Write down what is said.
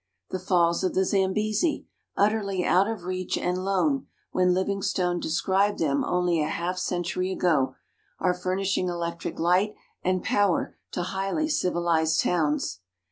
The Falls of the Zambesi, utterly out of reach and lone, when Livingstone described them only half a century ago, are fur nishing electric light and power to highly civilized towns.